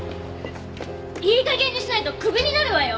いい加減にしないとクビになるわよ！